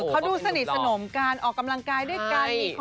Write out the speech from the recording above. เขาดูสนิทสนมการออกกำลังกายด้วยกัน